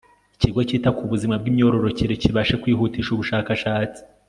ikigo cyita ku buzima bw imyororokere kibashe kwihutisha ubushakashatsi